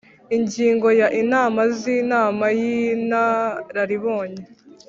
Ingingo ya Inama z Inama y Inararibonye